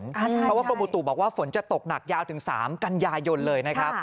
เพราะว่ากรมบุตุบอกว่าฝนจะตกหนักยาวถึง๓กันยายนเลยนะครับ